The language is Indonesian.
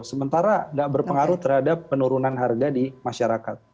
sementara tidak berpengaruh terhadap penurunan harga di masyarakat